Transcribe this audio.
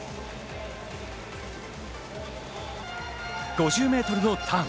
５０ｍのターン。